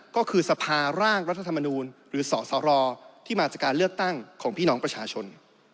ก็คือสภาร่างรัฐธรรมนูลหรือสสรที่มาจากการเลือกตั้งของพี่น้องประชาชน